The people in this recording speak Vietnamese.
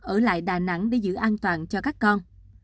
ở lại đà nẵng để giữ an toàn cho các con